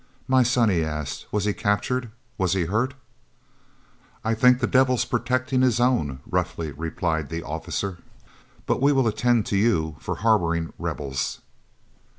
"My son," he asked, "was he captured? was he hurt?" "I think the devil protected his own," roughly replied the officer, "but we will attend to you for harboring Rebels."